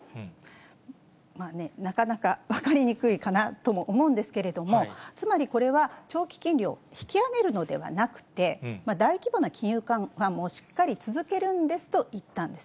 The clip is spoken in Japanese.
なかなか分かりにくいかなとも思うんですけれども、つまり、これは長期金利を引き上げるのではなくて、大規模な金融緩和もしっかり続けるんですと言ったんです。